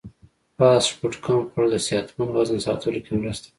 فاسټ فوډ کم خوړل د صحتمند وزن ساتلو کې مرسته کوي.